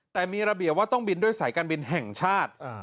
แต่มีระเบียบว่าต้องบินด้วยสายการบินแห่งชาติ